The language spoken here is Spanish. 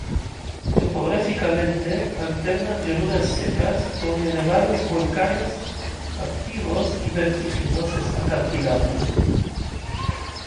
Topográficamente, alternan llanuras secas con elevados volcanes activos y vertiginosos acantilados.